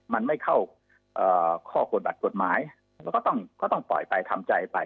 มันไม่เข้าข้อกฎบัตรกฎหมายเราก็ต้องปล่อยไปทำใจไป